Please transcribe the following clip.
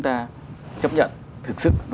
ta chấp nhận thực sức